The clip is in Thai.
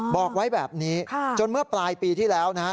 บอกไว้แบบนี้จนเมื่อปลายปีที่แล้วนะฮะ